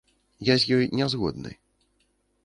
Я з ёй не згодны.